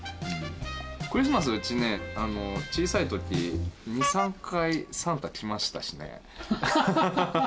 クリスマス、うちね、小さいとき、２、３回、サンタ来ましたしね。